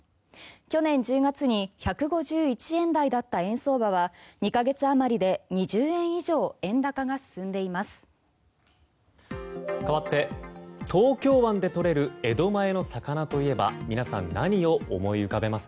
去年１０月に１５１円台だった円相場は２か月あまりで２０円以上円高が進んでいます。